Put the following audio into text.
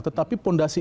tetapi pondasi ini